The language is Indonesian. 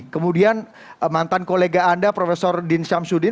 kemudian mantan kolega anda prof din syamsuddin